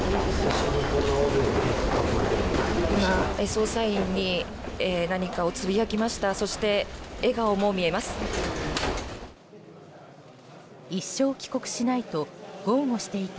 捜査員に何かをつぶやきました。